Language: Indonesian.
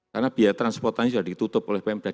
karena biaya transportasi sudah ditutup oleh pemerintah